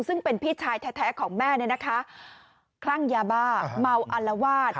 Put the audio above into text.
ซึ่งเป็นพี่ชายแท้ของแม่เนี่ยนะคะคลั่งยาบ้าเมาอัลวาด